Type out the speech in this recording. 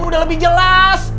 udah lebih jelas